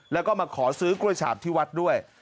แล้วก็มาขอซื้อกล้วยฉาบที่วัดด้วย